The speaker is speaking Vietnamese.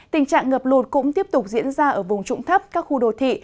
tình trạng ngập lụt cũng tiếp tục diễn ra ở vùng trụng thấp các khu đồ thị